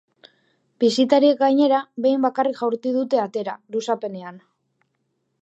Bisitariek, gainera, behin bakarrik jaurti dute atera, luzapenean.